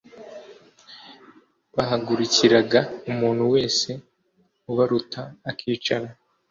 Bahagurukiraga umuntu wese ubaruta akicara